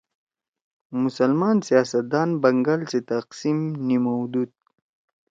مسلمان سیاست دان بنگال سی تقسیم نیِمؤدُود۔